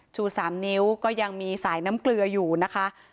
ชู๓นิ้วก็ยังมีสายน้ำเกลืออยู่นะคะ